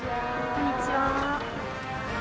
こんにちは。